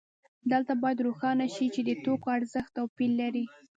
دلته باید روښانه شي چې د توکو ارزښت توپیر لري